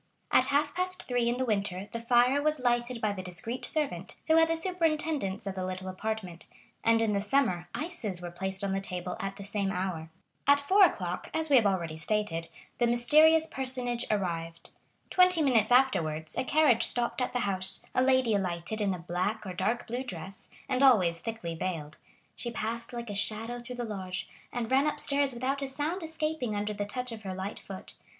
At half past three in the winter the fire was lighted by the discreet servant, who had the superintendence of the little apartment, and in the summer ices were placed on the table at the same hour. At four o'clock, as we have already stated, the mysterious personage arrived. Twenty minutes afterwards a carriage stopped at the house, a lady alighted in a black or dark blue dress, and always thickly veiled; she passed like a shadow through the lodge, and ran upstairs without a sound escaping under the touch of her light foot.